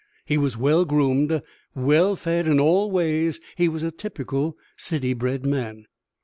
He was well groomed, well fed, in all ways he was a typical city bred man.